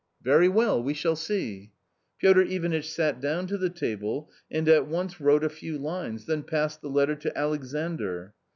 "" Very well, we shall see." Piotr Ivanitch sat down to the table and at once wrote a few lines, then passed the letter to Alexandr.